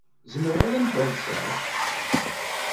Zemreɣ ad am-d-alseɣ?